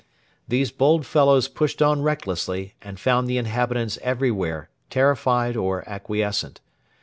These bold fellows pushed on recklessly, and found the inhabitants everywhere terrified or acquiescent.